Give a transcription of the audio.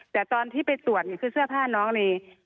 แต่ตอนที่ไปตรวจเสื้อผ้าน้องนี่